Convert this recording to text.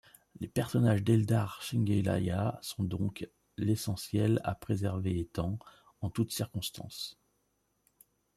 Les personnages d'Eldar Chenguelaia sont, donc, L'essentiel à préserver étant, en toutes circonstances,